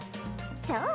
そう？